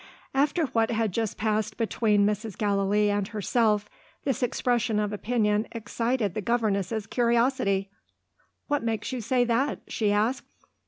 After what had just passed between Mrs. Gallilee and herself, this expression of opinion excited the governess's curiosity. "What makes you say that?" she asked.